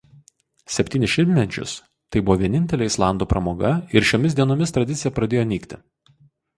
Septynis šimtmečius tai buvo vienintelė islandų pramoga ir šiomis dienomis tradicija pradėjo nykti.